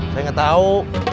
saya nggak tahu